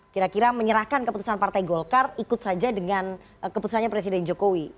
kira kira menyerahkan keputusan partai golkar ikut saja dengan keputusannya presiden jokowi